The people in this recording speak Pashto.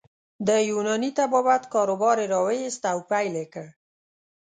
د یوناني طبابت کاروبار يې راویست او پیل یې کړ.